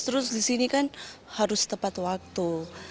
terus di sini kan harus tepat waktu